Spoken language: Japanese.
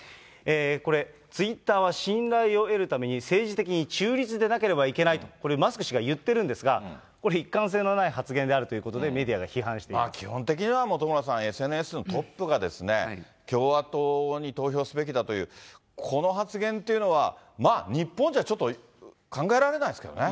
これ、ツイッターは信頼を得るために、政治的に中立でなければいけないと、これ、マスク氏が言ってるんですが、これ一貫性のない発言であるという基本的には本村さん、ＳＮＳのトップがですね、共和党に投票すべきだという、この発言というのは、まあ日本じゃちょっと、考えられないですけどね。